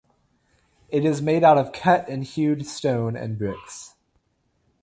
It is made of cut and hewed stone and bricks.